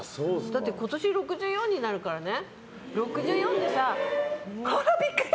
だって今年６４になるからね。